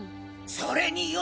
それによ